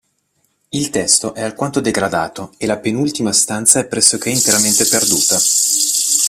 Il testo è alquanto degradato e la penultima stanza è pressoché interamente perduta.